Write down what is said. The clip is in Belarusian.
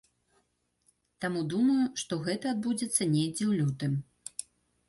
Таму думаю, што гэта адбудзецца недзе ў лютым.